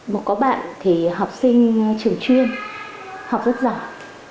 mà có bạn thì học sinh trường chuyên học rất giỏi